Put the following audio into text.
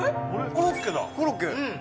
コロッケ！